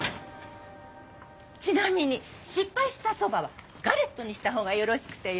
ちなみに失敗したそばはガレットにしたほうがよろしくてよ。